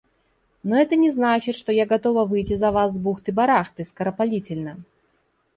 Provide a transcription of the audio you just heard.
Но это не значит, что я готова выйти за Вас с бухты-барахты, скоропалительно.